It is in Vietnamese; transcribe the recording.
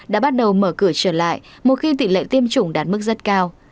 đã bắt đầu mở cửa trở lại một khi tỷ lệ tiêm chủng đạt mức rất cao